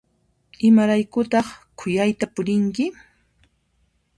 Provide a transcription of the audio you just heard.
Imaraykutaq khuyayta purinki?